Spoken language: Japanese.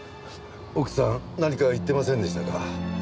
奥さん何か言ってませんでしたか？